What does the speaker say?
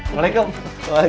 terima kasih kang